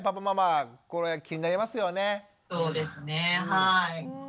はい。